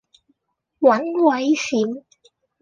揾位閃